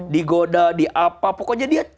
digoda dia apa pokoknya dia